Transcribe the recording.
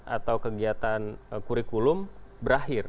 atau kegiatan kurikulum berakhir